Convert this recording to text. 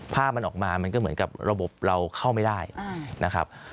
ภาพมันออกมามันก็เหมือนกับระบบเราเข้าไม่ได้นะครับ